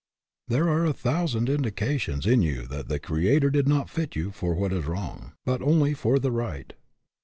There are a thousand indications in you that the Creator did not fit you for what is wrong, but only for the right.